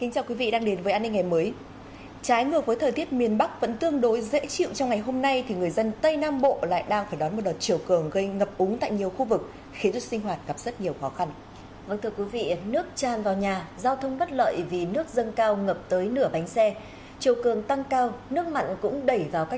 chào mừng quý vị đến với bộ phim hãy nhớ like share và đăng ký kênh của chúng mình nhé